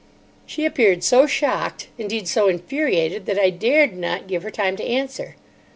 She appeared so shocked—indeed, so infuriated, that I dared not give her time to answer.